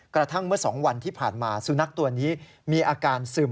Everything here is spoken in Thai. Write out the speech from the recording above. กระทั่งเมื่อ๒วันที่ผ่านมาสุนัขตัวนี้มีอาการซึม